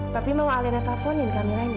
papi mau alina telfonin kamilanya